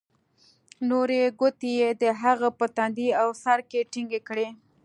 نورې گوتې يې د هغه په تندي او سر کښې ټينگې کړې.